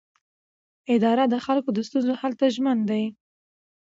اداره د خلکو د ستونزو حل ته ژمنه ده.